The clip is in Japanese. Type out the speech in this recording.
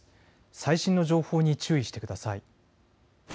最新の情報に注意してください。